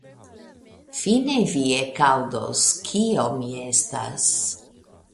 fine vi ekaŭdos, kio mi estas.